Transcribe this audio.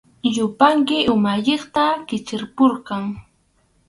Yupanki umalliqta qichupurqan.